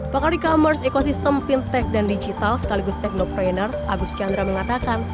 pakar e commerce ekosistem fintech dan digital sekaligus teknopreneur agus chandra mengatakan